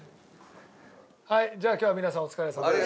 じゃあ今日は皆さんお疲れさまでした。